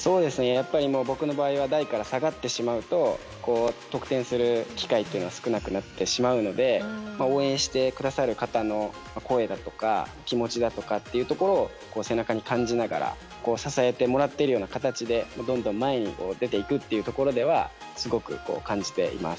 やっぱり僕の場合は台から下がってしまうと得点する機会というのは少なくなってしまうので応援して下さる方の声だとか気持ちだとかっていうところを背中に感じながら支えてもらってるような形でどんどん前に出ていくというところではすごく感じています。